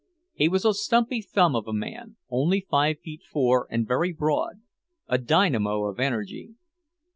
He was a little stumpy thumb of a man, only five feet four, and very broad, a dynamo of energy.